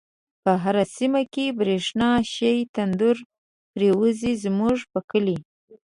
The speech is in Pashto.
په هره سیمه چی برشنا شی، تندر پریوزی زمونږ په کلی